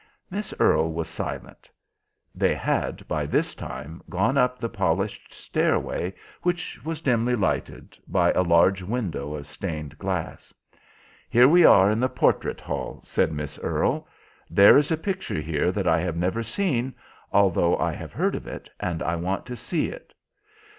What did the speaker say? Miss Earle was silent. They had, by this time, gone up the polished stairway, which was dimly lighted by a large window of stained glass. "Here we are in the portrait hall," said Miss Earle. "There is a picture here that I have never seen, although I have heard of it, and I want to see it.